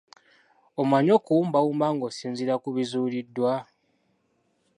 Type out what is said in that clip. Omanyi okuwumbawumba ng'osinziira ku bizuuliddwa?